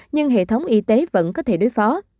nhưng hệ thống y tế vẫn có thể đối phó